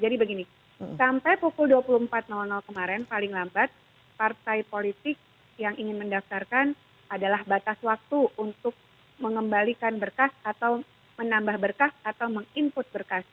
jadi begini sampai pukul dua puluh empat kemarin paling lambat partai politik yang ingin mendaftarkan adalah batas waktu untuk mengembalikan berkas atau menambah berkas atau meng input berkas